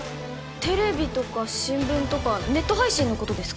テレビとか新聞とかネット配信のことですか？